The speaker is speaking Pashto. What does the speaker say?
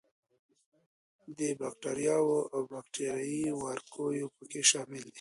باکټریاوې او باکټریايي وارکیو په کې شامل دي.